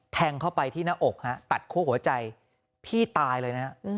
แทงเข้าไปที่หน้าอกฮะตัดคั่วหัวใจพี่ตายเลยนะฮะ